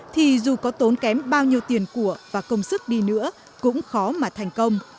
thì dù có tốn kém bao nhiêu tiền của và công sức đi nữa cũng khó mà thành công